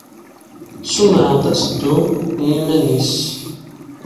Ssumreɣ-d ad teddu i yiman-nnes.